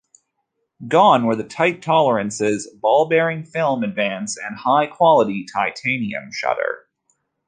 Gone were the tight tolerances, ball bearing film advance, and high-quality titanium shutter.